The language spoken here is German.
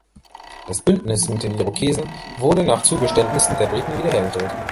Das Bündnis mit den Irokesen wurde nach Zugeständnissen der Briten wiederhergestellt.